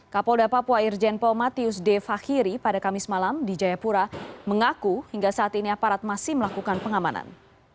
kapolda papua irjen paul matius d fakhiri pada kamis malam di jayapura mengaku hingga saat ini aparat masih melakukan pengamanan